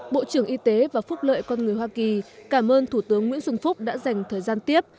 bộ trưởng y tế và phúc lợi con người hoa kỳ cảm ơn thủ tướng nguyễn xuân phúc đã dành thời gian tiếp